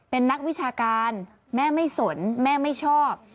เป็นนักวิชาการแม่ไม่สนแม่ไม่ชอบ